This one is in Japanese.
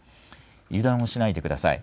油断をしないでください。